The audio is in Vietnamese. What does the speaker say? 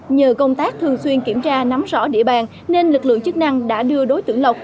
nhờ công tác thường xuyên kiểm tra nắm rõ địa bàn nên lực lượng chức năng đã đưa đối tượng lộc